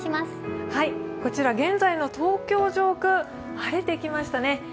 こちら、現在の東京上空、晴れてきましたね。